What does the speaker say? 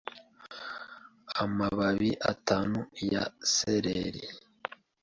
amababi atanu ya sereri